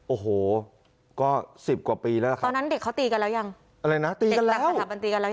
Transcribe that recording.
โอ้โหก็๑๐กว่าปีแล้วครับ